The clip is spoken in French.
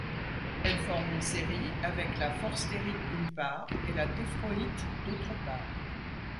Elle forme une série avec la forstérite d'une part et la téphroïte d'autre part.